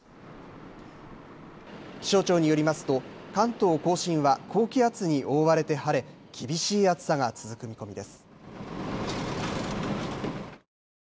気象庁によりますと関東甲信は高気圧に覆われて晴れ厳しい暑さが続く見込みです。